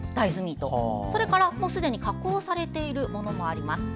それからすでに加工されているものもあります。